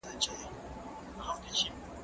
زه به سبا لوښي وچوم وم؟